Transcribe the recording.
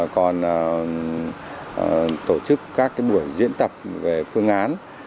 còn tổ chức các buổi diễn tập về phương án